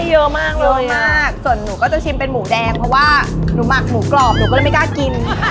เยอะมากเยอะมากส่วนหนูก็จะชิมเป็นหมูแดงเพราะว่าหนูหมักหมูกรอบหนูก็เลยไม่กล้ากิน